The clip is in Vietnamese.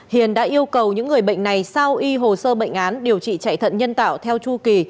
hiền đã yêu cầu những người bệnh này sao y hồ sơ bệnh án điều trị chạy thận nhân tạo theo chu kỳ